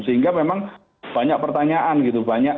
sehingga memang banyak pertanyaan gitu